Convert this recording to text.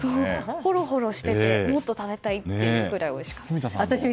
ほろほろしててもっと食べたいというくらいおいしかった。